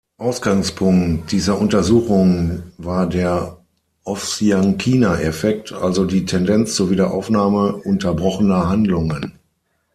Ausgangspunkt dieser Untersuchungen war der Ovsiankina-Effekt, also die Tendenz zur Wiederaufnahme unterbrochener Handlungen.